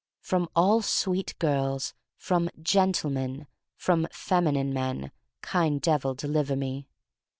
From all sweet girls; from "gentle men"; from feminine men: Kind Devil, deliver me.